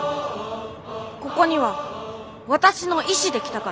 ここには私の意志で来たから。